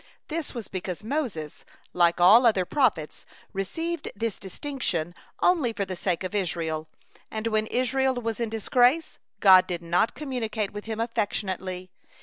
This was because Moses, like all other prophets, received this distinction only for the sake of Israel, and when Israel was in disgrace, God did not communicate with him affectionately.